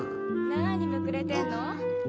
なにむくれてんの？